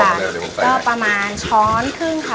ก็ประมาณช้อนครึ่งค่ะ